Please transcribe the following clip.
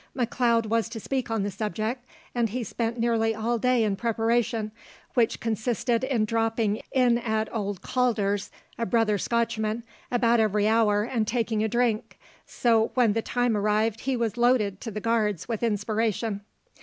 McLeod was to speak on the subject, and he spent nearly all day in preparation, which consisted in dropping in at old Caulder's, a brother Scotchman, about every hour and taking a drink, so when the time arrived he was loaded to the guards with inspiration.